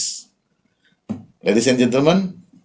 tuan tuan dan puan puan